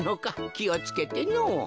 きをつけてのぉ。